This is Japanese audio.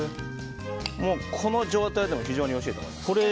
この状態でも非常においしいと思います。